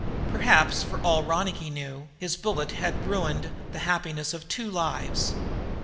Perhaps, for all Ronicky knew, his bullet had ruined the happiness of two lives.